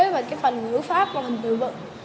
về cái phần ngữ pháp và hình tự vật